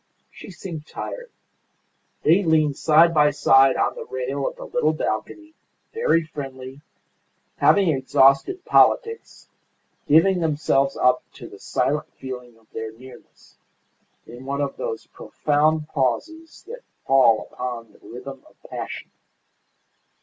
She seemed tired. They leaned side by side on the rail of the little balcony, very friendly, having exhausted politics, giving themselves up to the silent feeling of their nearness, in one of those profound pauses that fall upon the rhythm of passion.